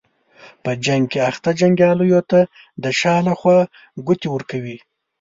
په جنګ کې اخته جنګیالیو ته د شا له خوا ګوتې ورکوي.